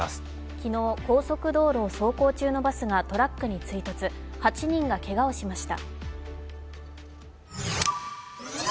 昨日、高速道路を走行中のバスがトラックに追突、８人がけがをしました。